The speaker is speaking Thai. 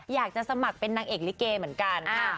อยากจะสมัครเป็นนางเอกลิเกเหมือนกัน